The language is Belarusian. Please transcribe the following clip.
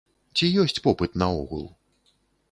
Ці ёсць попыт наогул?